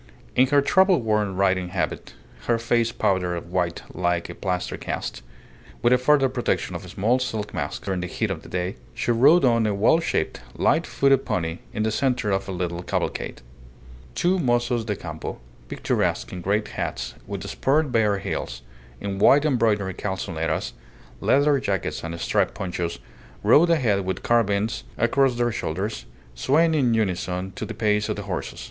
In her travel worn riding habit, her face powdered white like a plaster cast, with a further protection of a small silk mask during the heat of the day, she rode on a well shaped, light footed pony in the centre of a little cavalcade. Two mozos de campo, picturesque in great hats, with spurred bare heels, in white embroidered calzoneras, leather jackets and striped ponchos, rode ahead with carbines across their shoulders, swaying in unison to the pace of the horses.